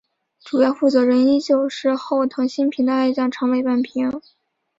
主要负责人依旧是后藤新平的爱将长尾半平。